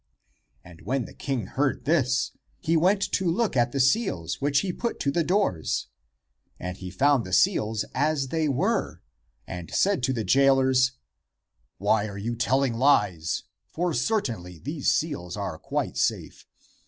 And when the king heard this, he went to look at the seals which he put to the doors. And he found the seals as they were, and said to the jailers, "Why are you telling lies? for certainly these seals are quite safe.